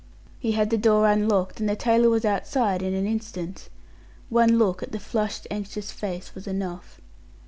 He had the door unlocked and the tailor outside in an instant. One look at the flushed, anxious face was enough.